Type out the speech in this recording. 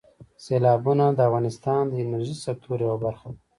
سیلابونه د افغانستان د انرژۍ سکتور یوه برخه ده.